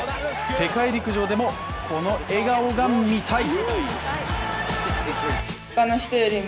世界陸上でも、この笑顔が見たい！